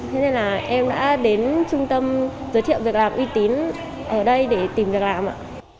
thế nên là em đã đến trung tâm giới thiệu việc làm uy tín ở đây để tìm việc làm ạ